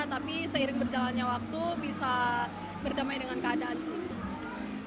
tapi seiring berjalannya waktu bisa berdamai dengan keadaan sih